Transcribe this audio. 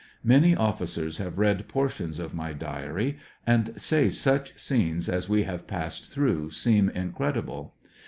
Many officers have read portions of my diary, and say such scenes as we have passed through seem incredible.